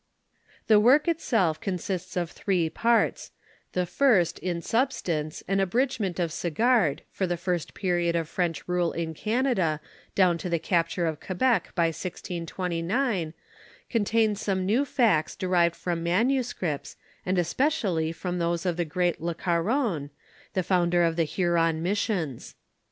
The work itself consists of three parts: the first in substance an abridgment of Sagard, for the first period of French rule in Canada, down to the capture of Quebec by 1629, contains some new facta derived from manuscripts, and es pecially from those of the great le Caron, the founder of the Huron missions.